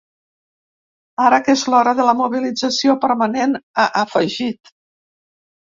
Ara que és l’hora de la mobilització permanent, ha afegit.